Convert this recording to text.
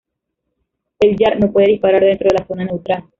El Yar no puede disparar dentro de la zona neutral.